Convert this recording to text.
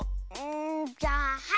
じゃあはい！